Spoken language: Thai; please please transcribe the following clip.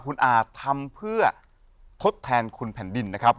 คุณอาทำเพื่อทดแทนคุณแผ่นดินนะครับ